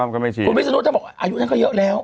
คุณวิศนุท่านบอกอายุท่านก็เยอะแล้ว